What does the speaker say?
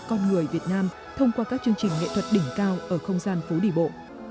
con người việt nam thông qua các chương trình nghệ thuật đỉnh cao ở không gian phú đỉ bộ